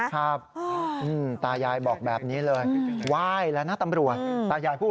ถือผู้อื่นอีกคือกับย่าย